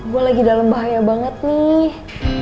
gue lagi dalam bahaya banget nih